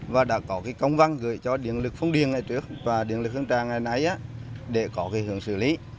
và đã có cái công văn gửi cho điện lực phong điền ngày trước và điện lực hương trà ngày nãy để có cái hướng xử lý